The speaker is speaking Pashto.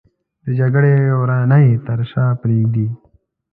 د جګړې ورانۍ تر شا پرېږدي